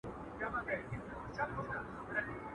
بېشکه مرګه چي زورور یې.